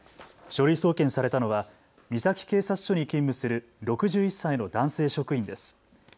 書類送検されたのは三崎警察署に勤務する６１歳の男性職員です。